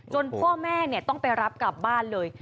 พ่อแม่ต้องไปรับกลับบ้านเลย